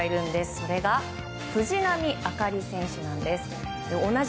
それが藤波朱理選手なんです。